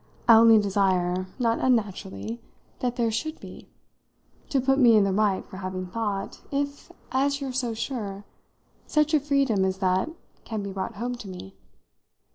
I only desire not unnaturally that there should be, to put me in the right for having thought, if, as you're so sure, such a freedom as that can be brought home to me.